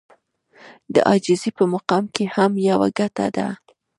د عاجزي په مقام کې هم يوه ګټه ده.